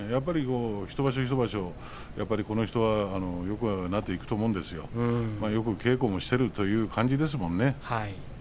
一場所一場所、この人はよくなっていくと思うんですよね、よく稽古もしているという感じですもんね。